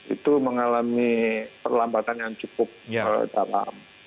itu mengalami perlambatan yang cukup dalam